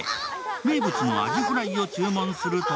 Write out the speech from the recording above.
名物のアジフライを注文すると